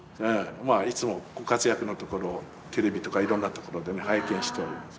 いつもご活躍のところをテレビとかいろんなところでね拝見しております。